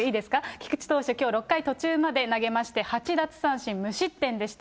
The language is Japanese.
菊池投手、きょう６回途中まで投げまして、８奪三振、無失点でした。